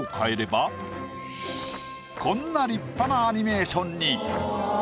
こんな立派なアニメーションに。